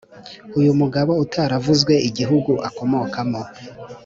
Uyu mugabo utavuzwe igihugu akomokamo,